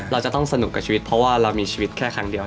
เราจะต้องสนุกกับชีวิตเพราะว่าเรามีชีวิตแค่ครั้งเดียว